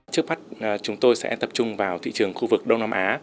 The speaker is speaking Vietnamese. tập đoàn kangaroo sẽ tập trung vào thị trường khu vực đông nam á